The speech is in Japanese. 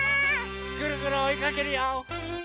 ぐるぐるおいかけるよ！